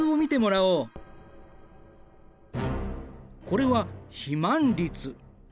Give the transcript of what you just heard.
これは肥満率。